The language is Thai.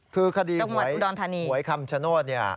คือคดีหวยคำฉนวดเนี่ย